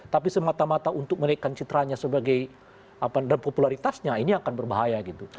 tapi semata mata untuk menaikkan citranya sebagai dan popularitasnya ini akan berbahaya gitu